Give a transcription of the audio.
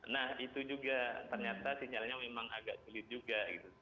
nah itu juga ternyata sinyalnya memang agak sulit juga gitu